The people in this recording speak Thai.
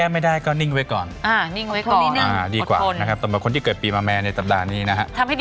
สดนะแต่ต้องสดนะ